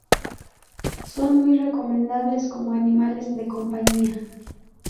Son muy recomendables como animales de compañía.